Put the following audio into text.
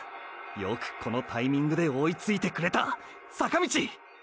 よくこのタイミングで追いついてくれた坂道！！